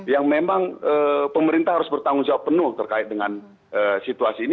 yang memang pemerintah harus bertanggung jawab penuh terkait dengan situasi ini